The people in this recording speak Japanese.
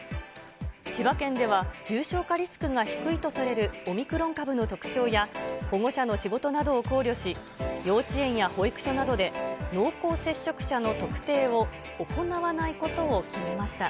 千葉県では重症化リスクが低いとされるオミクロン株の特徴や、保護者の仕事などを考慮し、幼稚園や保育所などで、濃厚接触者の特定を行わないことを決めました。